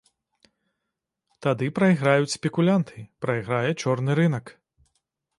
Тады прайграюць спекулянты, прайграе чорны рынак.